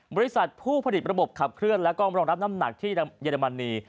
บริษัทผู้ผลิตระบบขับเคลื่อนแล้วก็รองรับน้ำหนักที่เยอรมนี